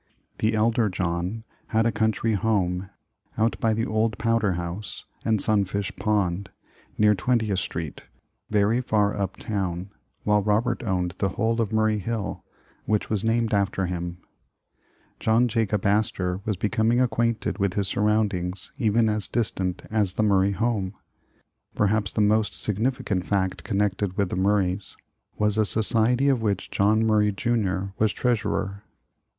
The elder John had a country home 66 New York a Little City out by the old Powder House and Sunfish Pond, near Twentieth Street, very far up town, while Robert owned the whole of Murray Hill, which was named af ter him. John Jacob Astor was becoming acquainted with his surroundings even as distant as the Murray home. Perhaps the most significant fact connected with the IMurrays, was a society of which John Murray, Jr., was treasurer.